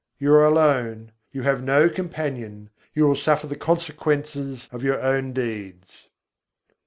You are alone, you have no companion: you will suffer the consequences of your own deeds.